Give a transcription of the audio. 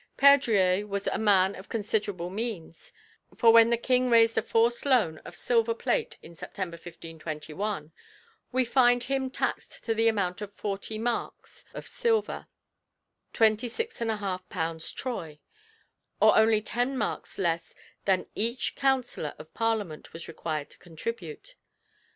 Perdrier was a man of considerable means; for when the King raised a forced loan of silver plate in September 1521, we find him taxed to the amount of forty marcs of silver (26 1/2 lbs. troy); or only ten marcs less than each counsellor of Parliament was required to contribute.